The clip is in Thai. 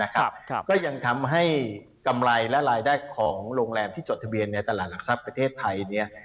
ก็ยังทำให้กำไรและรายได้ของโรงแรมที่จดทะเบียนในตลาดหลักทรัพย์ประเทศไทย